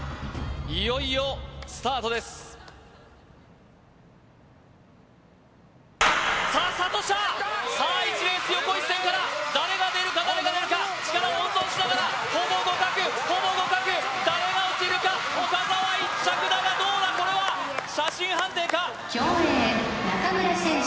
いよいよスタートですさあスタートしたさあ１レース横一線から誰が出るか誰が出るか力を温存しながらほぼ互角ほぼ互角誰が落ちるか岡澤１着だがどうだこれは写真判定か？